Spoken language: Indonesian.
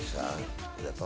bapak ini berapa